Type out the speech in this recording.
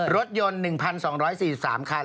รถยนต์๑๒๔๓คัน